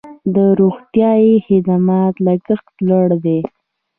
د روغتیايي خدماتو لګښت لوړ دی